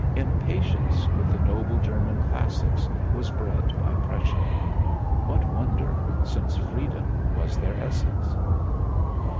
Impatience with the noble German classics was bred by Prussia. What wonder, since freedom was their essence?